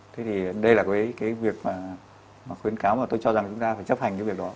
thế thì đây là cái việc mà khuyến cáo mà tôi cho rằng chúng ta phải chấp hành cái việc đó